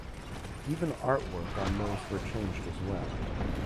Even artwork on most were changed as well.